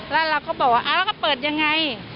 แล้วเราก็บอกว่าแล้วก็เปิดยังไง